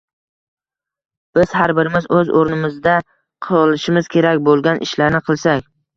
Biz har birimiz o‘z o‘rnimizda qilishimiz kerak bo‘lgan ishlarni qilsak